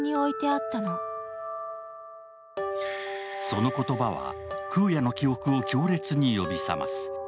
その言葉は空也の記憶を強烈に呼び覚ます。